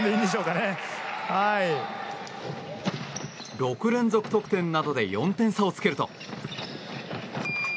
６連続得点などで４点差をつけると。